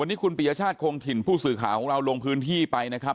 อายุ๑๐ปีนะฮะเขาบอกว่าเขาก็เห็นถูกยิงนะครับ